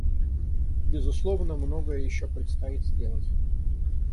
Безусловно, многое еще предстоит сделать.